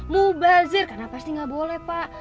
mubazir karena pasti nggak boleh pak